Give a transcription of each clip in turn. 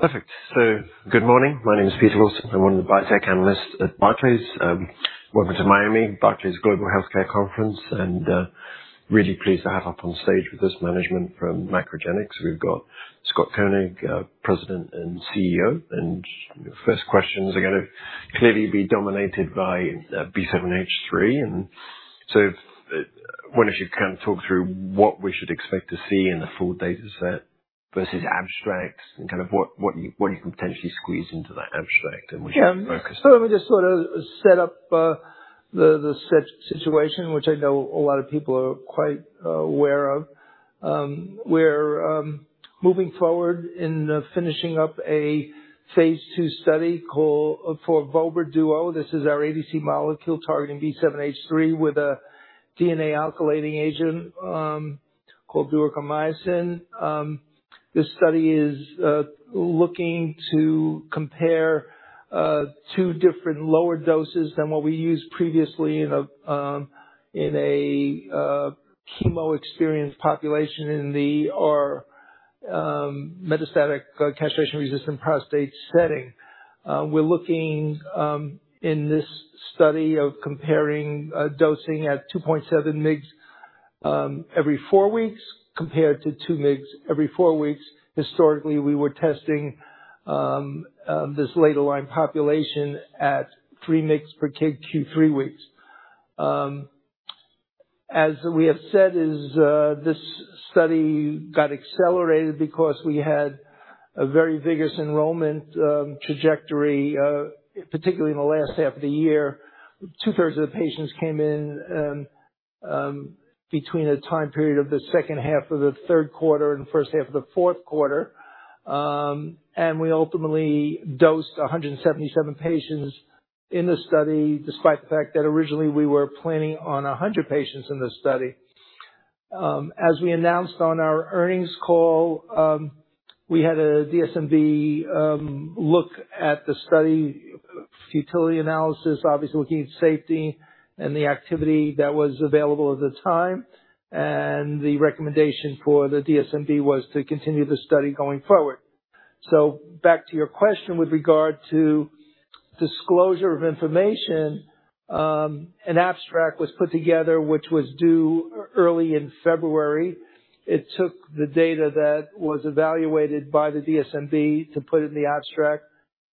Perfect. So good morning. My name is Peter Lawson. I'm one of the biotech analysts at Barclays. Welcome to Miami, Barclays Global Healthcare Conference, and really pleased to have up on stage with us management from MacroGenics. We've got Scott Koenig, President and CEO, and, you know, first questions are gonna clearly be dominated by B7-H3. So I wonder if you can kind of talk through what we should expect to see in the full data set versus abstract, and kind of what, what you what you can potentially squeeze into that abstract and what you can focus on. Yeah. So let me just sort of set up the set situation, which I know a lot of people are quite aware of. We're moving forward in finishing up a phase 2 study called for vobramitamab duocarmazine. This is our ADC molecule targeting B7-H3 with a DNA-alkylating agent, called duocarmycin. This study is looking to compare two different lower doses than what we used previously in a chemo-experienced population in our metastatic castration-resistant prostate setting. We're looking in this study of comparing dosing at 2.7 mg/kg every 4 weeks compared to 2 mg/kg every 4 weeks. Historically, we were testing this late-line population at 3 mg/kg q3 weeks. As we have said, this study got accelerated because we had a very vigorous enrollment trajectory, particularly in the last half of the year. Two-thirds of the patients came in between a time period of the second half of the third quarter and first half of the fourth quarter. And we ultimately dosed 177 patients in the study despite the fact that originally we were planning on 100 patients in the study. As we announced on our earnings call, we had a DSMB look at the study, futility analysis, obviously looking at safety and the activity that was available at the time, and the recommendation for the DSMB was to continue the study going forward. So back to your question with regard to disclosure of information, an abstract was put together which was due early in February. It took the data that was evaluated by the DSMB to put it in the abstract.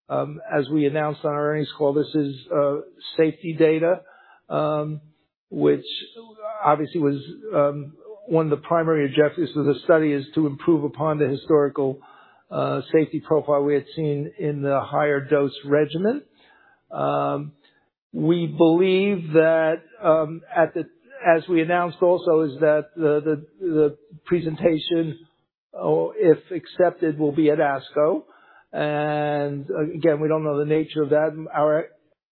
As we announced on our earnings call, this is safety data, which obviously was one of the primary objectives of the study is to improve upon the historical safety profile we had seen in the higher-dose regimen. We believe that, as we announced also is that the presentation, oh, if accepted, will be at ASCO. And, again, we don't know the nature of that. Our,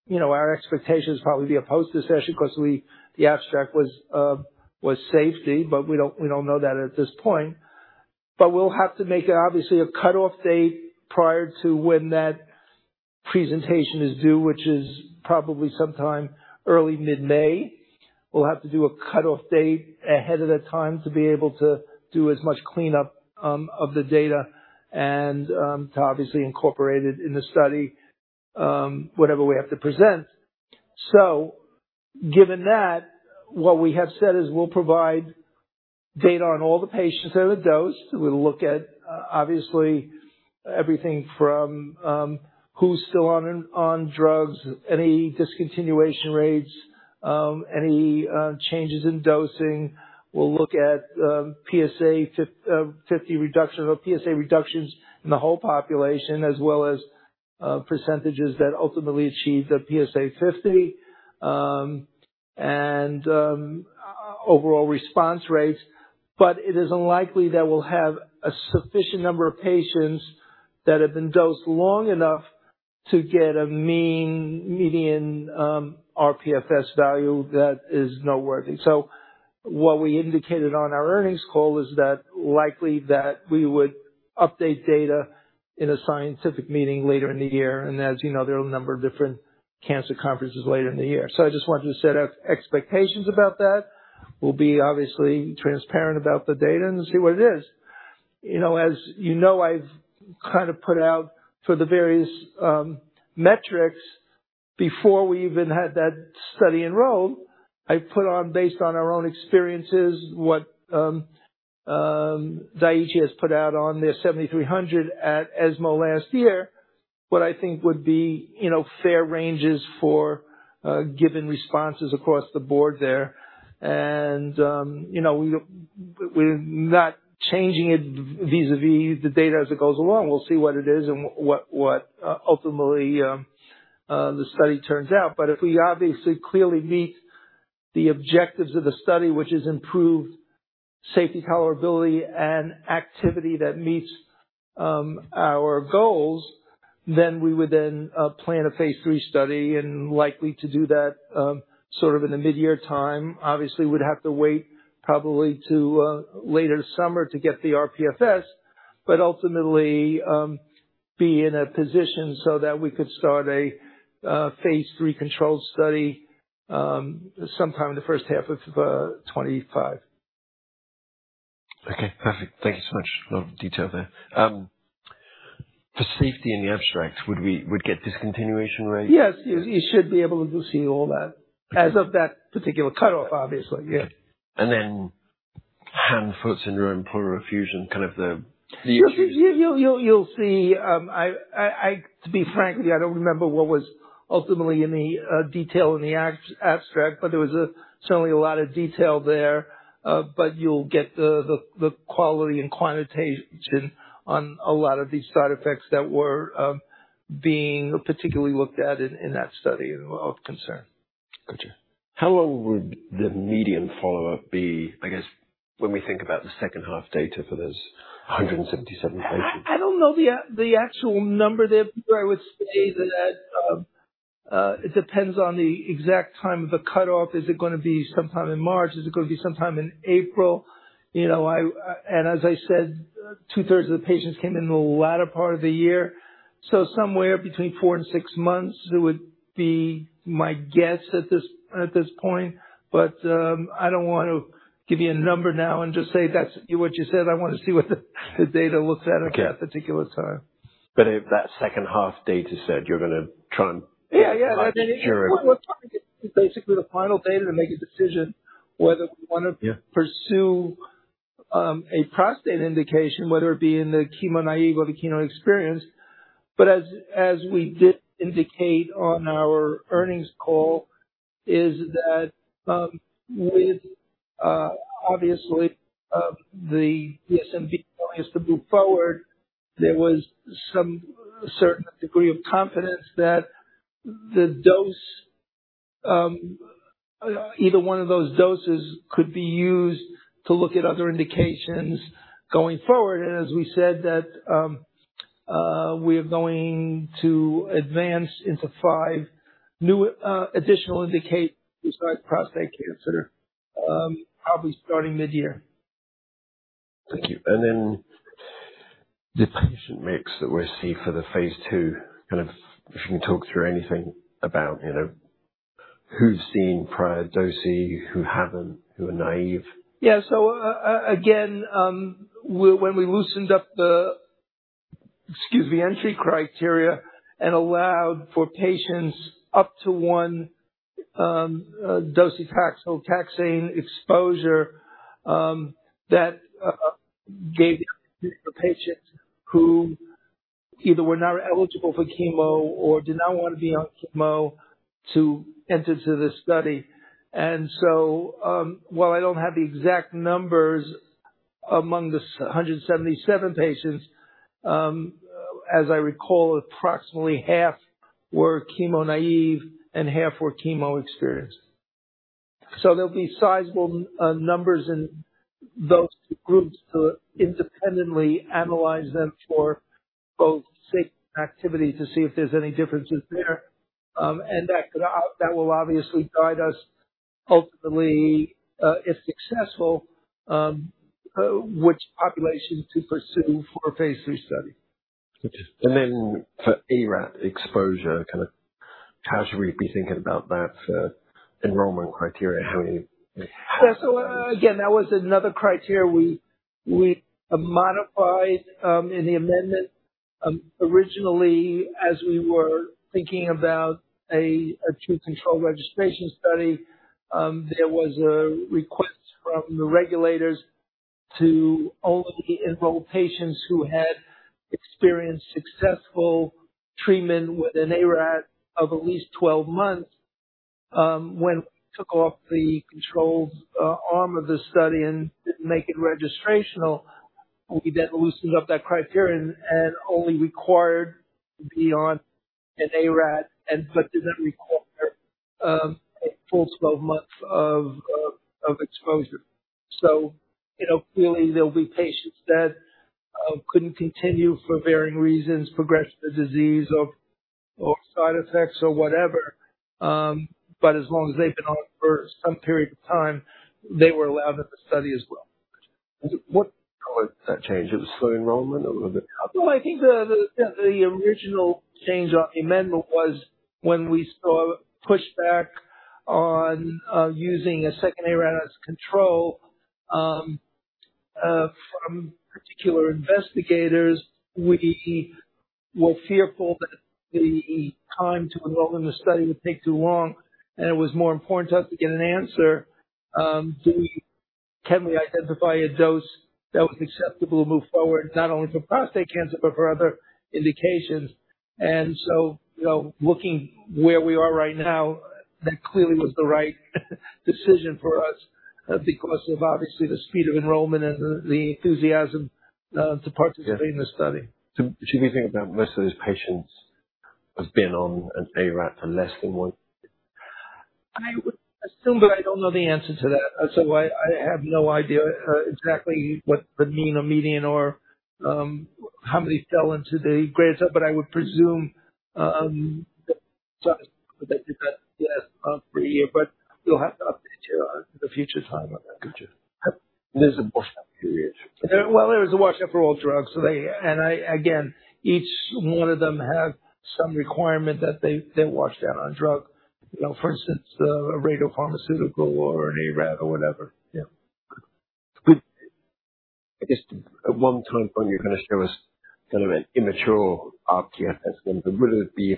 you know, our expectation is probably to be a post-discussion 'cause we the abstract was safety, but we don't know that at this point. But we'll have to make it obviously a cutoff date prior to when that presentation is due, which is probably sometime early, mid-May. We'll have to do a cutoff date ahead of that time to be able to do as much cleanup of the data and to obviously incorporate it in the study, whatever we have to present. So given that, what we have said is we'll provide data on all the patients that are dosed. We'll look at, obviously, everything from who's still on drugs, any discontinuation rates, any changes in dosing. We'll look at PSA 50 reduction or PSA reductions in the whole population as well as percentages that ultimately achieved the PSA 50, and overall response rates. But it is unlikely that we'll have a sufficient number of patients that have been dosed long enough to get a mean, median, rPFS value that is noteworthy. So what we indicated on our earnings call is that likely that we would update data in a scientific meeting later in the year, and as you know, there are a number of different cancer conferences later in the year. So I just wanted to set our expectations about that. We'll be obviously transparent about the data and see what it is. You know, as you know, I've kind of put out for the various metrics before we even had that study enrolled. I've put out based on our own experiences what Daiichi has put out on their DS-7300 at ESMO last year, what I think would be, you know, fair ranges for given responses across the board there. And, you know, we're not changing it vis-à-vis the data as it goes along. We'll see what it is and what ultimately the study turns out. But if we obviously clearly meet the objectives of the study, which is improved safety tolerability and activity that meets our goals, then we would then plan a phase 3 study and likely to do that, sort of in the mid-year time. Obviously, we'd have to wait probably to later summer to get the rPFS, but ultimately be in a position so that we could start a phase 3 controlled study, sometime in the first half of 2025. Okay. Perfect. Thank you so much. A lot of detail there. For safety in the abstract, would we get discontinuation rates? Yes. You should be able to see all that as of that particular cutoff, obviously. Yeah. Okay. And then hand-foot syndrome, pleural effusion, kind of the issues. You'll see, yeah. You'll see. To be frank, I don't remember what was ultimately in the detail in the abstract, but there was certainly a lot of detail there. But you'll get the quality and quantitation on a lot of these side effects that were being particularly looked at in that study and of concern. Gotcha. How long would the median follow-up be, I guess, when we think about the second half data for those 177 patients? I don't know the actual number there, Peter. I would say that it depends on the exact time of the cutoff. Is it gonna be sometime in March? Is it gonna be sometime in April? You know, and as I said, two-thirds of the patients came in the latter part of the year. So somewhere between four and six months would be my guess at this point. But I don't wanna give you a number now and just say that's what you said. I wanna see what the data looks like at that particular time. Okay. But if that second half data said you're gonna try and. Yeah, yeah. I mean, it's. Obscure it. We're trying to basically the final data to make a decision whether we wanna. Yeah. Pursue a prostate indication, whether it be in the chemo-naive or the chemo-experienced. But as we did indicate on our earnings call is that, with obviously the DSMB telling us to move forward, there was some certain degree of confidence that the dose, either one of those doses could be used to look at other indications going forward. And as we said that, we are going to advance into five new additional indications besides prostate cancer, probably starting mid-year. Thank you. Then the patient mix that we see for the phase 2, kind of if you can talk through anything about, you know, who's seen prior dosing, who haven't, who are naive? Yeah. So, again, we when we loosened up the excuse me, entry criteria and allowed for patients up to 1 docetaxel/taxane exposure, that gave the opportunity for patients who either were not eligible for chemo or did not wanna be on chemo to enter into this study. And so, while I don't have the exact numbers among the 177 patients, as I recall, approximately half were chemo-naive and half were chemo-experienced. So there'll be sizable numbers in those groups to independently analyze them for both safety and activity to see if there's any differences there. And that could that will obviously guide us ultimately, if successful, which population to pursue for a phase 3 study. Gotcha. Then for ARAT exposure, kind of how should we be thinking about that for enrollment criteria? How many? Yeah. So, again, that was another criteria we modified, in the amendment. Originally, as we were thinking about a true control registration study, there was a request from the regulators to only enroll patients who had experienced successful treatment with an ARAT of at least 12 months. When we took off the control arm of the study and didn't make it registrational, we then loosened up that criteria and only required to be on an ARAT but did not require a full 12 months of exposure. So, you know, clearly there'll be patients that couldn't continue for varying reasons, progression of disease or side effects or whatever. But as long as they've been on for some period of time, they were allowed in the study as well. Gotcha. And what colored that change? It was slow enrollment, or was it? Well, I think the original change on the amendment was when we saw pushback on using a second ARAT as control from particular investigators. We were fearful that the time to enroll in the study would take too long, and it was more important to us to get an answer, do we can we identify a dose that was acceptable to move forward not only for prostate cancer but for other indications. And so, you know, looking where we are right now, that clearly was the right decision for us, because of obviously the speed of enrollment and the enthusiasm to participate in the study. Yeah. So should we think about most of those patients have been on an ARAT for less than one year? I would assume, but I don't know the answer to that. So I have no idea exactly what the mean or median or how many fell into the grades up. But I would presume that. Sorry. But they did that, yeah, for a year. But we'll have to update you in the future time on that. Gotcha. There's a washout period. Well, there was a washout for all drugs. So they and I, again, each one of them have some requirement that they wash out on drug. You know, for instance, a radiopharmaceutical or an ARAT or whatever. Yeah. Good. Good. I guess at one time point you're gonna show us kind of an immature rPFS, and would it be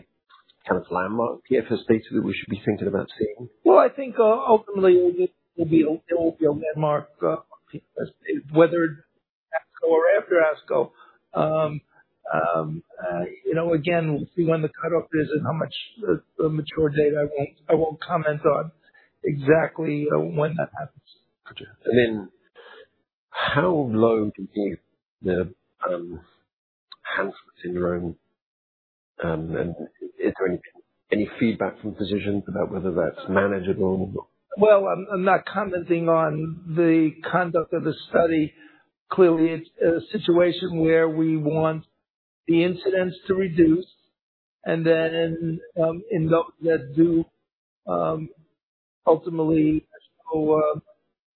kind of landmark PFS data that we should be thinking about seeing? Well, I think, ultimately it will be a landmark, whether ASCO or after ASCO. You know, again, we'll see when the cutoff is and how much the mature data. I won't comment on exactly when that happens. Gotcha. And then how low do you think the hand-foot syndrome, and is there any feedback from physicians about whether that's manageable? Well, I'm not commenting on the conduct of the study. Clearly, it's a situation where we want the incidence to reduce and then, in those that do, ultimately show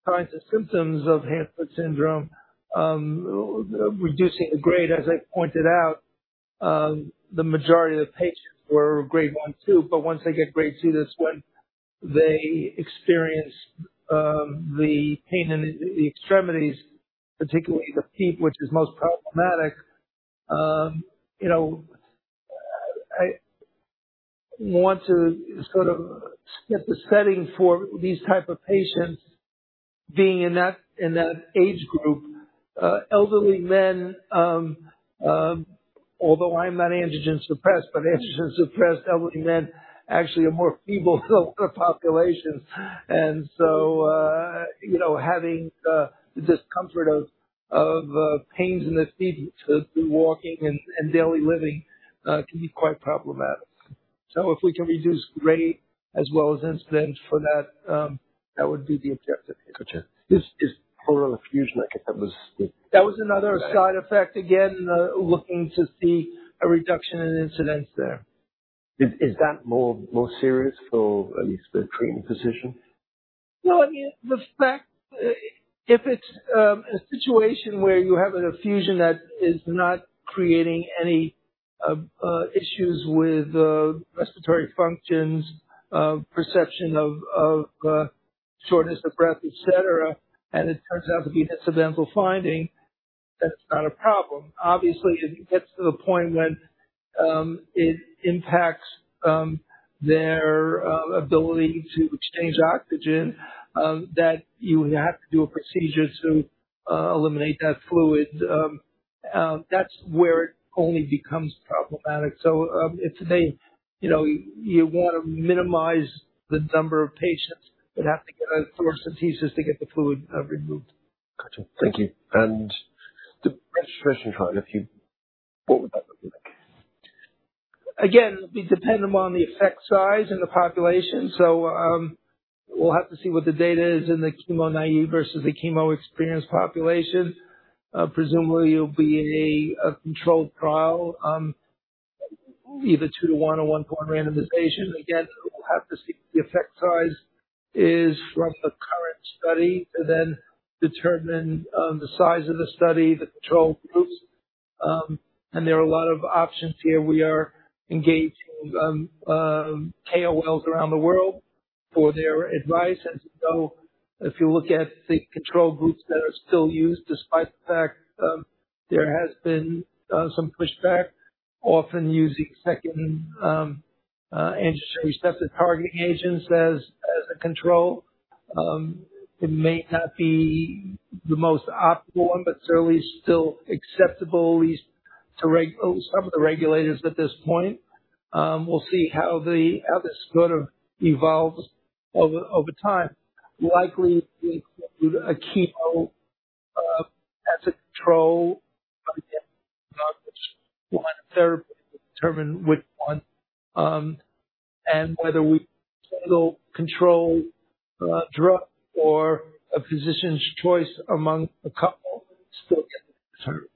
signs and symptoms of hand-foot syndrome, reducing the grade. As I pointed out, the majority of the patients were grade one too. But once they get grade two, that's when they experience the pain in the extremities, particularly the feet, which is most problematic. You know, I want to sort of set the setting for these type of patients being in that age group. Elderly men, although I'm not androgen suppressed, but androgen suppressed elderly men actually are more feeble than a lot of populations. And so, you know, having the discomfort of pains in the feet to walking and daily living can be quite problematic. If we can reduce grade as well as incidence for that, that would be the objective here. Gotcha. Is pleural effusion, I guess, that was the. That was another side effect again, looking to see a reduction in incidence there. Is that more serious for at least the treating physician? Well, I mean, the fact if it's a situation where you have an effusion that is not creating any issues with respiratory functions, perception of shortness of breath, etc., and it turns out to be an incidental finding, then it's not a problem. Obviously, if it gets to the point when it impacts their ability to exchange oxygen, that you have to do a procedure to eliminate that fluid. That's where it only becomes problematic. So, if they, you know, you wanna minimize the number of patients you'd have to get a thoracentesis to get the fluid removed. Gotcha. Thank you. And the registration trial, if you will, what would that look like? Again, it'd be dependent upon the effect size in the population. So, we'll have to see what the data is in the chemo-naive versus the chemo-experienced population. Presumably, it'll be a controlled trial, either 2-to-1 or 1-to-1 randomization. Again, we'll have to see what the effect size is from the current study to then determine the size of the study, the controlled groups. There are a lot of options here. We are engaging KOLs around the world for their advice. So, if you look at the controlled groups that are still used despite the fact there has been some pushback, often using second androgen receptor targeting agents as a control. It may not be the most optimal one, but certainly still acceptable, at least to some of the regulators at this point. We'll see how this sort of evolves over time. Likely, we include a chemo as a control. Again, we'll have to find a therapy to determine which one, and whether it's a single control drug or a physician's choice among a couple still gets determined.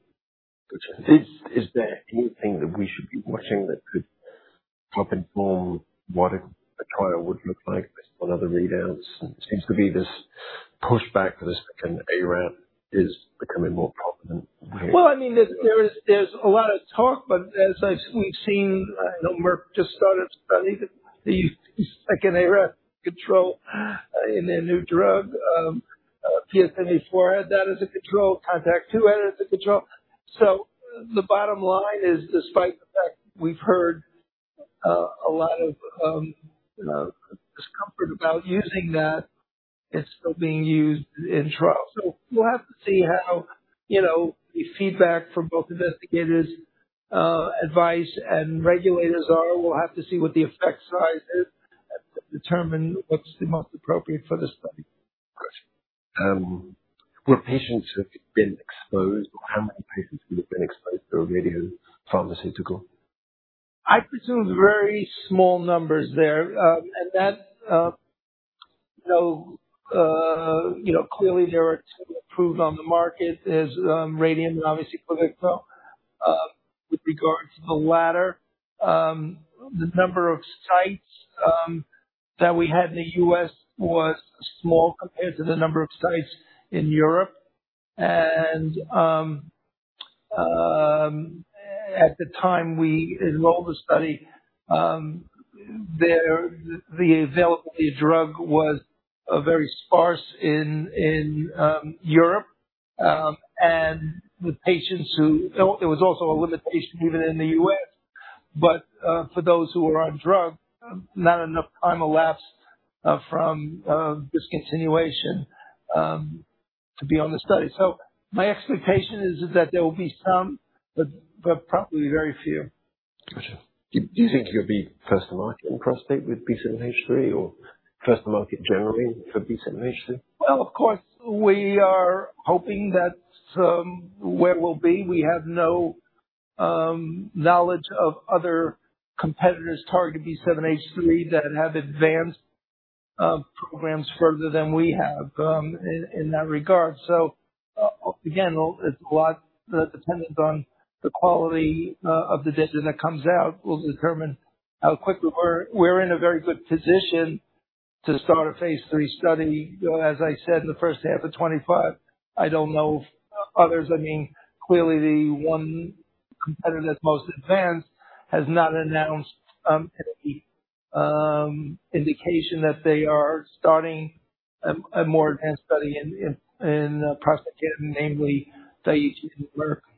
Gotcha. Is there anything that we should be watching that could help inform what a trial would look like based upon other readouts? Seems to be this pushback for the second ARAT is becoming more prominent here. Well, I mean, there is a lot of talk. But as we've seen, you know, Merck just started a study that the second ARAT control in their new drug, PSMAfore had that as a control. CONTACT-2 had it as a control. So the bottom line is, despite the fact we've heard a lot of discomfort about using that, it's still being used in trials. So we'll have to see how, you know, the feedback from both investigators, advice, and regulators are. We'll have to see what the effect size is and determine what's the most appropriate for the study. Gotcha. Were patients who've been exposed or how many patients would have been exposed to a radiopharmaceutical? I presume very small numbers there. And that, you know, you know, clearly there are two approved on the market as, radium and obviously Pluvicto, with regard to the latter. The number of sites, that we had in the U.S. was small compared to the number of sites in Europe. And, at the time we enrolled the study, there the availability of drug was, very sparse in, Europe. And the patients who oh, there was also a limitation even in the U.S. But, for those who were on drug, not enough time elapsed, from, discontinuation, to be on the study. So my expectation is that there will be some, but, but probably very few. Gotcha. Do you think you'll be first-to-market in prostate with B7-H3 or first-to-market generally for B7-H3? Well, of course, we are hoping that's where we'll be. We have no knowledge of other competitors targeting B7-H3 that have advanced programs further than we have in that regard. So, again, it's a lot dependent on the quality of the data that comes out will determine how quickly we're in a very good position to start a phase 3 study, as I said, in the first half of 2025. I don't know if others, I mean, clearly the one competitor that's most advanced has not announced any indication that they are starting a more advanced study in prostate cancer, namely Daiichi and Merck. Gotcha.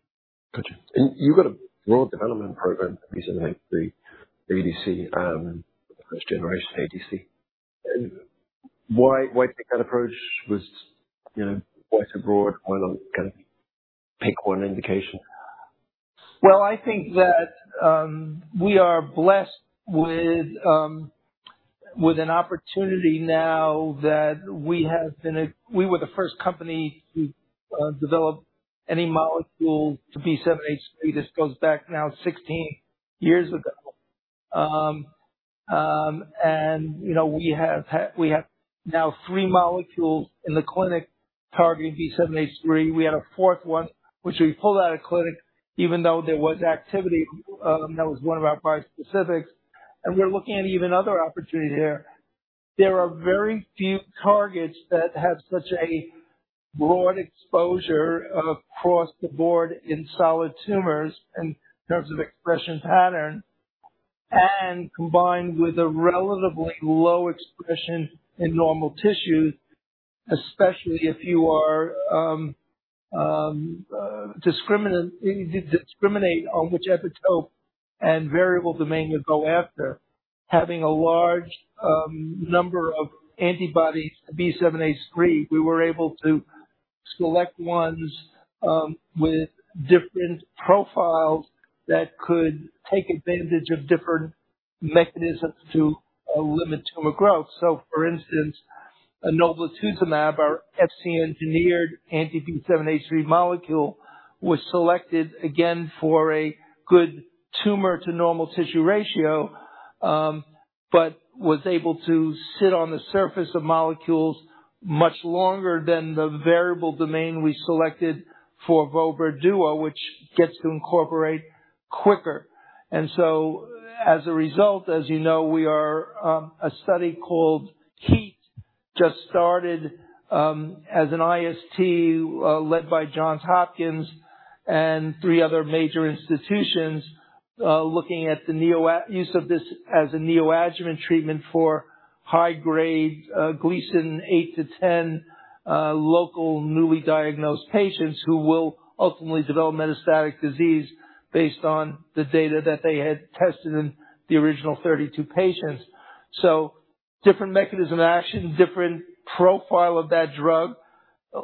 And you've got a broad development program for B7-H3 ADC, first-generation ADC. Why, why take that approach? Was, you know, why so broad? Why not kind of pick one indication? Well, I think that we are blessed with an opportunity now that we were the first company to develop any molecule for B7-H3. This goes back now 16 years ago. And you know, we have now three molecules in the clinic targeting B7-H3. We had a fourth one, which we pulled out of clinic even though there was activity, that was one of our prior bispecifics. And we're looking at even other opportunities here. There are very few targets that have such a broad exposure across the board in solid tumors in terms of expression pattern and combined with a relatively low expression in normal tissues, especially if you are discriminate on which epitope and variable domain you go after. Having a large number of antibodies to B7-H3, we were able to select ones with different profiles that could take advantage of different mechanisms to limit tumor growth. So, for instance, enoblituzumab, our Fc-engineered anti-B7-H3 molecule, was selected again for a good tumor-to-normal tissue ratio, but was able to sit on the surface of molecules much longer than the variable domain we selected for vobramitamab duocarmazine, which gets to incorporate quicker. And so, as you know, a study called HEAT just started, as an IST, led by Johns Hopkins and three other major institutions, looking at the neoadjuvant use of this as a neoadjuvant treatment for high-grade Gleason 8-10 local newly diagnosed patients who will ultimately develop metastatic disease based on the data that they had tested in the original 32 patients. So different mechanism of action, different profile of that drug,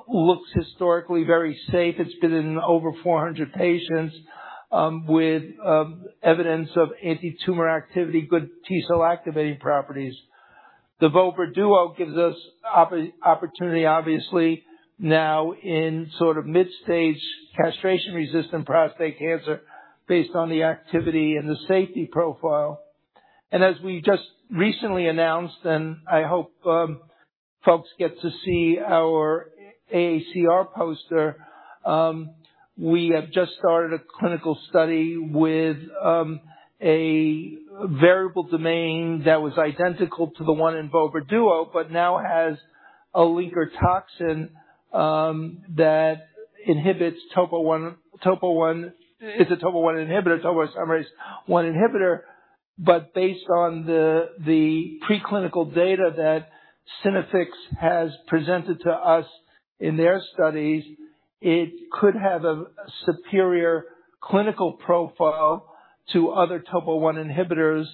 looks historically very safe. It's been in over 400 patients, with evidence of anti-tumor activity, good T-cell activating properties. The vobramitamab duocarmazine gives us opportunity, obviously, now in sort of mid-stage castration-resistant prostate cancer based on the activity and the safety profile. As we just recently announced, and I hope folks get to see our AACR poster, we have just started a clinical study with a variable domain that was identical to the one in vobramitamab duocarmazine but now has a linker toxin that inhibits TOPO-1. It's a TOPO-1 inhibitor. But based on the preclinical data that Synaffix has presented to us in their studies, it could have a superior clinical profile to other TOPO-1 inhibitors,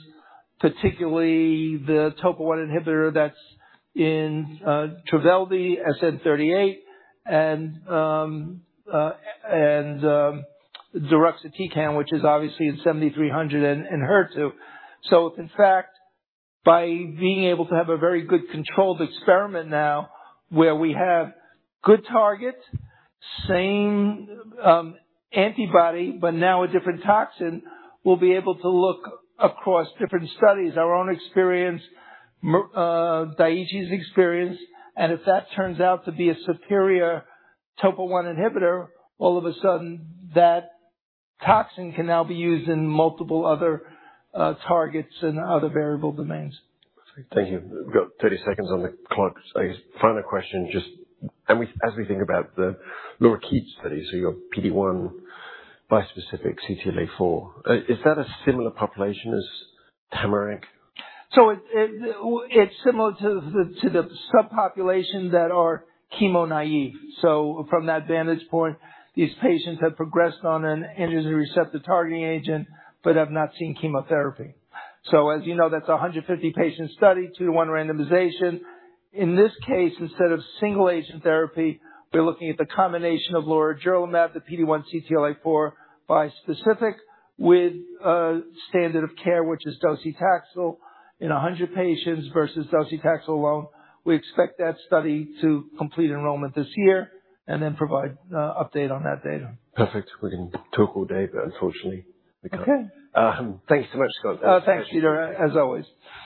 particularly the TOPO-1 inhibitor that's in Trodelvy, SN-38, and deruxtecan, which is obviously in 7300 and HER2. So if, in fact, by being able to have a very good controlled experiment now where we have good target, same antibody but now a different toxin, we'll be able to look across different studies, our own experience, and Daiichi's experience. If that turns out to be a superior TOPO-1 inhibitor, all of a sudden, that toxin can now be used in multiple other targets and other variable domains. Perfect. Thank you. We've got 30 seconds on the clock. I guess final question, just as we think about the LORIKEET study, so your PD-1 bispecific CTLA-4, is that a similar population as TAMARACK? So it's similar to the subpopulation that are chemo-naive. So from that vantage point, these patients have progressed on an androgen receptor targeting agent but have not seen chemotherapy. So as you know, that's a 150-patient study, 2-to-1 randomization. In this case, instead of single-agent therapy, we're looking at the combination of lorigerlimab, the PD-1 CTLA-4 bispecific with a standard of care, which is docetaxel, in 100 patients versus docetaxel alone. We expect that study to complete enrollment this year and then provide an update on that data. Perfect. We're getting the hook today, but unfortunately, we can't. Okay. Thank you so much, Scott. That was. Oh, thanks, Peter. As always.